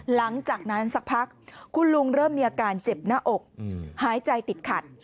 หลังจากนั้นสักพักคุณลุงเริ่มมีอาการเจ็บหน้าอกหายใจติดขัด